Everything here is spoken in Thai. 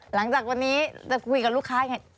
หลังจากวันนี้จะคุยกับลูกค้ายังไง